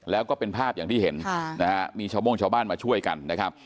แล้วก็เป็นภาพอย่างที่เห็นนะฮะมีชาวโม่งชาวบ้านมาช่วยกันนะครับ